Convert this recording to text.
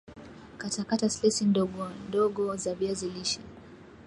katakata slesi ndiogondogo za viazi lishe